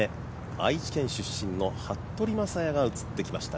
愛知県出身の服部雅也が映ってきました